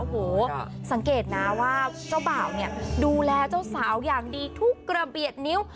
โอ้โหสังเกตนะว่าเจ้าบ่าวเนี่ยดูแลเจ้าสาวอย่างดีทุกกระเบียดนิ้ว